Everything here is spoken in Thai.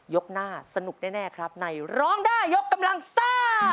หน้าสนุกแน่ครับในร้องได้ยกกำลังซ่า